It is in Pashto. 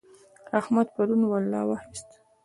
احمد پرون ولا واخيسته.